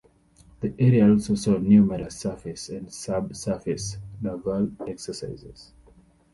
The area also saw numerous surface and subsurface naval exercises.